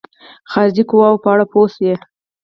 خارجي قواوو په اړه پوه شي.